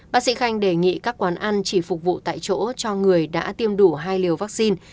bác sĩ khanh đề nghị các quán ăn chỉ phục vụ tại chỗ cho người đã tiêm đủ hai liều vaccine